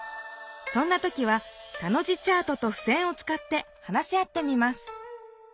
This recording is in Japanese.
そんな時は田の字チャートとふせんをつかって話し合ってみます。